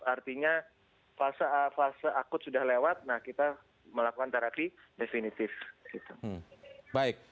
artinya fase akut sudah lewat nah kita melakukan terapi definitif gitu